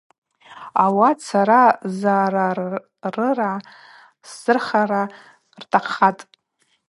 Ауат сара зарарыгӏа сзырхара ртахъхатӏ.